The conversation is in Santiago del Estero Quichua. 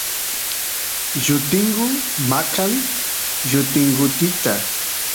llutingu maqan llutingutitata